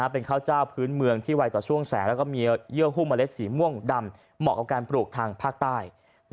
เป็นข้าวเจ้าพื้นเมืองที่ไวต่อช่วงแสงแล้วก็มีเยื่อหุ้มเมล็ดสีม่วงดำเหมาะกับการปลูกทางภาคใต้